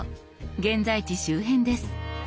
現在地周辺です。